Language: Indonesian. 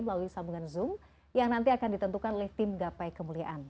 melalui sambungan zoom yang nanti akan ditentukan oleh tim gapai kemuliaan